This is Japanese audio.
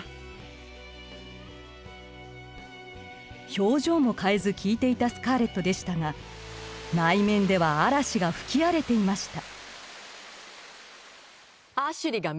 表情も変えず聞いていたスカーレットでしたが内面では嵐が吹き荒れていました。